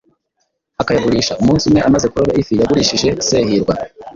akayagurisha. Umunsi umwe amaze kuroba ifi yayigurishije Sehirwa,